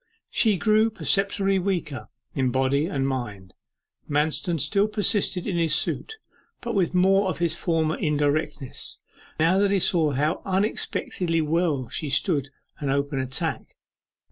She grew perceptibly weaker, in body and mind. Manston still persisted in his suit, but with more of his former indirectness, now that he saw how unexpectedly well she stood an open attack.